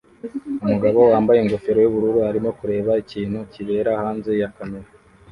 Umugabo wambaye ingofero yubururu arimo kureba ikintu kibera hanze ya kamera